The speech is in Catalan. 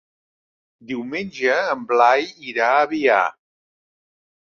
Diumenge en Blai irà a Biar.